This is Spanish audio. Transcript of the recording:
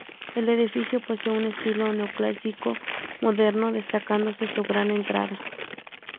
El edificio posee un estilo neoclásico moderno, destacándose su gran entrada.